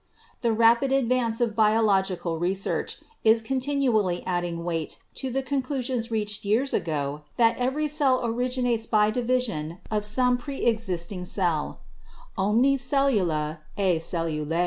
The rapid advance of biological research is continually adding weight to the conclusions reached years ago that every cell originates by division of some preexisting cell (Omnis cellula e cellula).